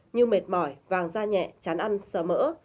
như mệt mỏi vàng da nhẹ chán ăn sờ mỡ